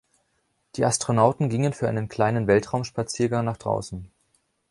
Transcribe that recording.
Die Astronauten gingen für einen kleinen Weltraumspaziergang nach draußen.